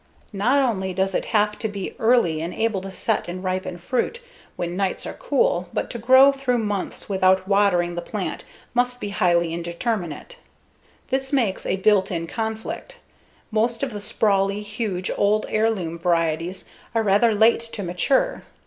Not only does it have to be early and able to set and ripen fruit when nights are cool, but to grow through months without watering the plant must be highly indeterminate. This makes a built in conflict: most of the sprawly, huge, old heirloom varieties are rather late to mature.